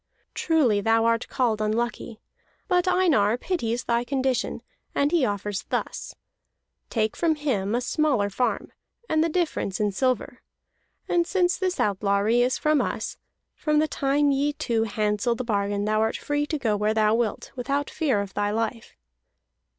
Truly thou art called unlucky. But Einar pities thy condition, and he offers thus: Take from him a smaller farm, and the difference in silver. And since this outlawry is from us, from the time ye two handsel the bargain thou art free to go where thou wilt, without fear of thy life."